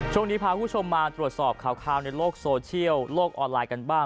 ช่วงนี้พาคุณผู้ชมมาตรวจสอบข่าวในโลกโซเชียลโลกออนไลน์กันบ้าง